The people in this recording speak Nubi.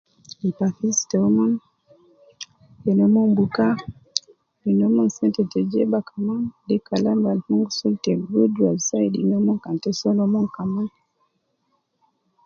Lipa fees tomon, wedi nomon buka, wedi nomon sente te jeba kaman de kalam al mon gi sul te gudura zaidi nomon kan te soo nomon kaman